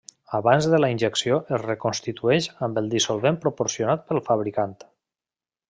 Abans de la injecció es reconstitueix amb el dissolvent proporcionat pel fabricant.